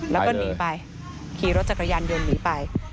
แล้วก็หนีไปขี่รถจักรยานยนต์หนีไป